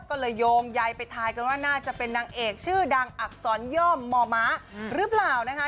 ก็เลยโยงใยไปทายกันว่าน่าจะเป็นนางเอกชื่อดังอักษรย่อมมหรือเปล่านะคะ